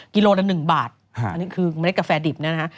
กิโลละ๑บาทอันนี้คือเมล็ดกาแฟดิบนะฮะ